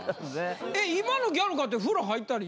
今のギャルかて風呂入ったりしてる？